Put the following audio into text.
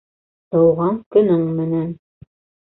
Тыуған көнөң менән!